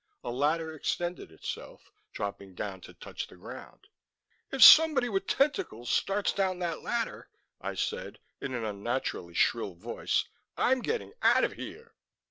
A ladder extended itself, dropping down to touch the ground. "If somebody with tentacles starts down that ladder," I said, in an unnaturally shrill voice, "I'm getting out of here."